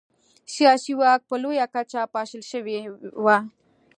سیاسي واک په لویه کچه پاشل شوی و.